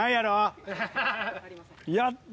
やった！